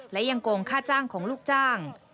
และยังโกงค่าจ้างของลูกจ้าง